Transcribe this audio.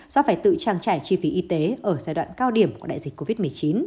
do phải tự trang trải chi phí y tế ở giai đoạn cao điểm của đại dịch covid một mươi chín